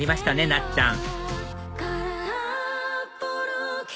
なっちゃん